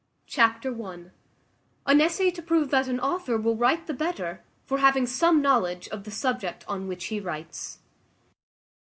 Chapter i. An essay to prove that an author will write the better for having some knowledge of the subject on which he writes.